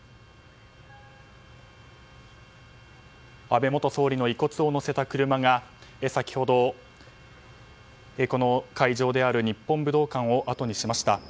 安倍元総理の遺骨を載せた車が先ほど会場である日本武道館をあとにしました。